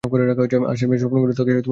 আর শেষমেষ, স্বপগুলো তাকে কিছু কাজ করতে বলে।